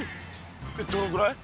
どのぐらい？